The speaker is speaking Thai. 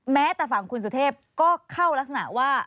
แม้แต่ฝั่งคุณสุเทพก็เข้ารักษณะว่า